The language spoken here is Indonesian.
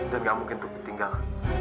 dan nggak mungkin untuk ditinggal